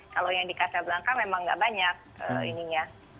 kalau yang di casablanca memang nggak banyak ininya